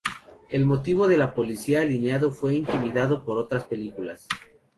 El motivo de "policía alienado" fue imitado por otras películas.